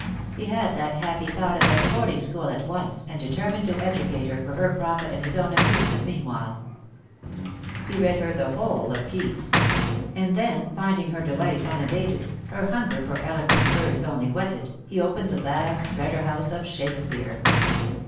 He had that happy thought about the boarding school at once, and determined to educate her, for her profit and his own amusement meanwhile. He read her the whole of Keats ; and then, finding her delight unabated, her hunger for eloquent verse onlv whetted, he opened the vast treasure house of Shakespeare.